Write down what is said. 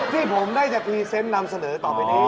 ที่ผมได้จะพรีเซนต์นำเสนอต่อไปนี้